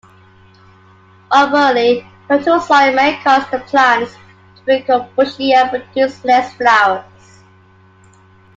Overly fertile soil may cause the plants to become bushy and produce less flowers.